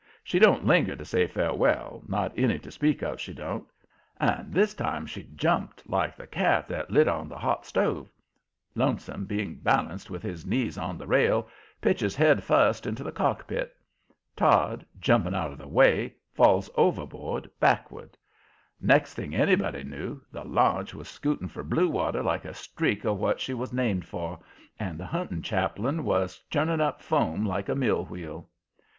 She don't linger to say farewell, not any to speak of, she don't. And this time she jumped like the cat that lit on the hot stove. Lonesome, being balanced with his knees on the rail, pitches headfust into the cockpit. Todd, jumping out of his way, falls overboard backward. Next thing anybody knew, the launch was scooting for blue water like a streak of what she was named for, and the hunting chaplain was churning up foam like a mill wheel.